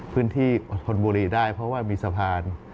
พื้นที่ธนบุรีได้เพราะว่ามีสะพาน